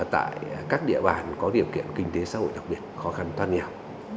tại các địa bàn có điều kiện kinh tế xã hội đặc biệt khó khăn toán nghèo